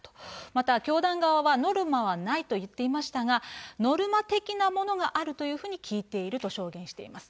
また、教団側はノルマはないと言っていましたが、ノルマ的なものがあるというふうに聞いていると証言しています。